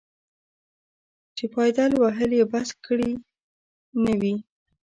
چې پایدل وهل یې بس کړي نه وي.